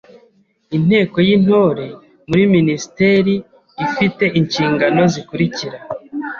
Inteko y’Intore muri Minisiteri ifi te inshingano zikurikira: